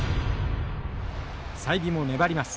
済美も粘ります。